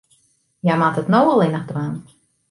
Hja moat it no allinnich dwaan.